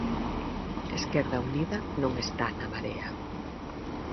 Esquerda Unida non está na Marea.